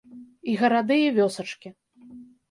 І гарады, і вёсачкі.